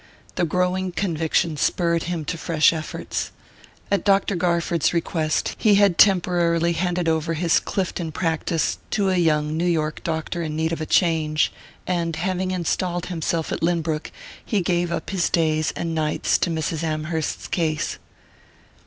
The growing conviction spurred him to fresh efforts; at Dr. Garford's request, he had temporarily handed over his Clifton practice to a young New York doctor in need of change, and having installed himself at Lynbrook he gave up his days and nights to Mrs. Amherst's case.